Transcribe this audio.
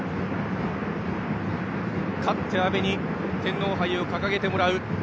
勝って阿部に天皇杯を掲げてもらう。